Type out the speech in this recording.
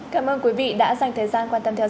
cảm ơn quý vị đã dành thời gian quan tâm theo dõi